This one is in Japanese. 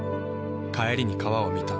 帰りに川を見た。